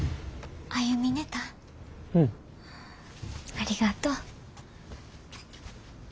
ありがとう。